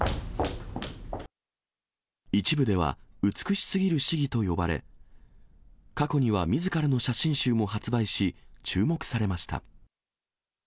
一部では美しすぎる市議と呼ばれ、過去にはみずからの写真集も発売し、注目されました。